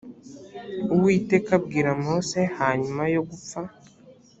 uwiteka abwira mose hanyuma yo gupfa